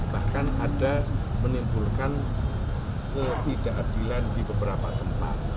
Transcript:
bahkan ada menimbulkan ketidakadilan di beberapa tempat